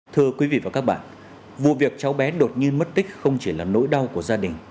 thưa quý vị và các bạn vụ việc cháu bé đột nhiên mất tích không chỉ là nỗi đau của gia đình